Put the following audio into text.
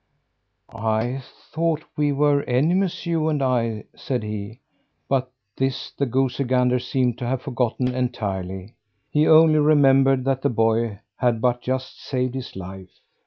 "I thought that we were enemies, you and I," said he. But this the goosey gander seemed to have forgotten entirely. He only remembered that the boy had but just saved his life.